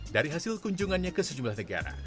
dari hasil kunjungannya ke sejumlah negara